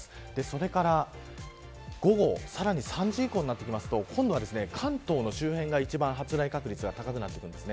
それから午後３時以降になってきますと今度は、関東の周辺が一番発雷確率が高くなってきます。